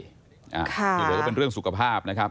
อย่างโดยก็เป็นเรื่องสุขภาพ